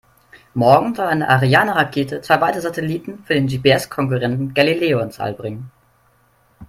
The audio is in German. Morgen soll eine Ariane-Rakete zwei weitere Satelliten für den GPS-Konkurrenten Galileo ins All bringen.